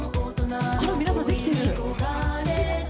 あら、皆さんできてる。